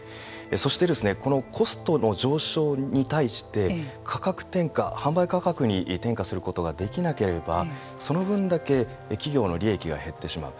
そして、コストの上昇に対して価格転嫁販売価格に転嫁することができなければその分だけ企業の利益が減ってしまう。